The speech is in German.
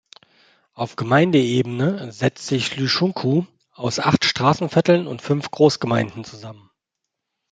Auf Gemeindeebene setzt sich Lüshunkou aus acht Straßenvierteln und fünf Großgemeinden zusammen.